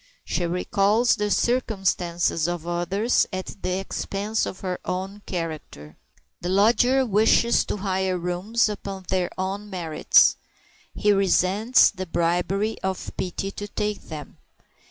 She recalls the circumstances of others at the expense of her own character. The lodger wishes to hire rooms upon their own merits. He resents the bribery of pity to take them.